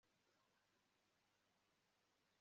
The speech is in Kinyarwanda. Tugezeyo imbaga yari yazimye